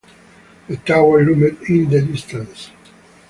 The tower loomed in the distance.